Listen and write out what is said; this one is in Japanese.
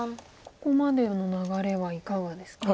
ここまでの流れはいかがですか？